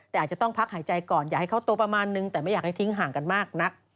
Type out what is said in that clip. แต่อาจจะต้องพักหายใจก่อนอย่าให้เขาตัวประมาณนึงแต่ไม่อยากให้ทิ้งห่างกันมากนัก